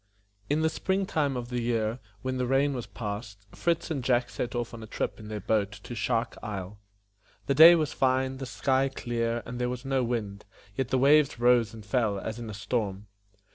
IN the spring time of the year, when the rain was past, Fritz and Jack set off on a trip in their boat to Shark Isle. The day was fine, the sky clear, and there was no wind, yet the waves rose and fell as in a storm.